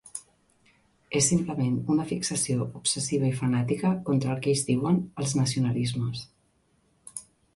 És simplement una fixació obsessiva i fanàtica contra el que ells diuen “els nacionalismes”.